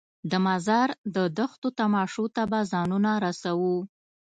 د مزار د دښتو تماشو ته به ځانونه رسوو.